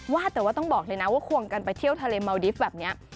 ว่าแต่ว่าต้องบอกเลยนะว่าควงกันไปเที่ยวทะเลเมาดิฟต์แบบนี้